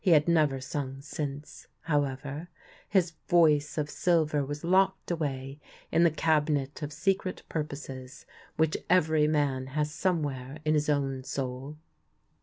He had never sung since, however; his voice of silver was locked away in the cabinet of secret purposes which every man has some where in his own soul.